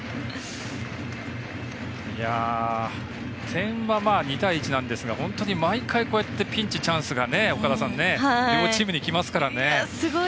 点は２対１なんですが本当に毎回こうやってピンチ、チャンスが両チームにきますからね。